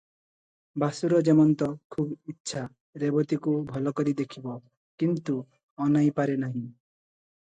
ବାସୁର ଯେମନ୍ତ ଖୁବ୍ ଇଚ୍ଛା – ରେବତୀକୁ ଭଲକରି ଦେଖିବ; କିନ୍ତୁ ଅନାଇପାରେ ନାହିଁ ।